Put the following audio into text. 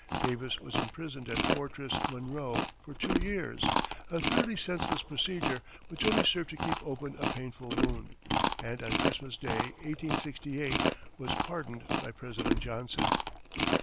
Davis was imprisoned at Fortress Monroe for two years a thoroughly senseless procedure which only served to keep open a painful wound and on Christmas Day, 1868, was pardoned by President Johnson.